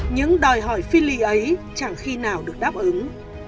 những đòi hỏi phi lý ấy chẳng khi nào được đáp ứng